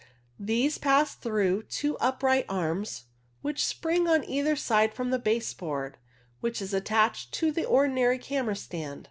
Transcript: These pass through two upright arms, which spring on either side from the base board, which is attached to the ordinary camera stand.